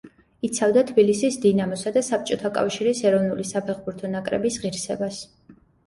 იცავდა თბილისის „დინამოსა“ და საბჭოთა კავშირის ეროვნული საფეხბურთო ნაკრების ღირსებას.